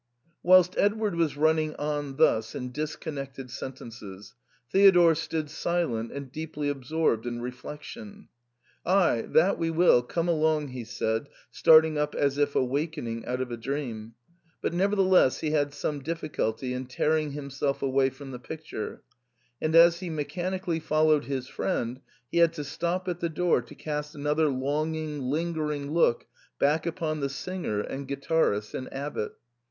Whilst Edward was running on thus in disconnected sentences, Theodore stood silent and deeply absorbed in reflection. " Ay, that we will, come along," he said, starting up as if awakening out of a dream ; but never theless he had some difficulty in tearing himself away from the picture, and as he mechanically followed his friend, he had to stop at the door to cast another long ing lingering look back upon the singer and guitarist and abbot.